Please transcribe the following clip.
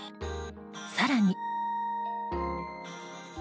更に。